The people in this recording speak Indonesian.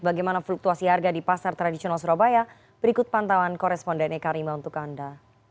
bagaimana fluktuasi harga di pasar tradisional surabaya berikut pantauan koresponden eka rima untuk anda